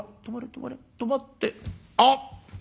止まってあっ！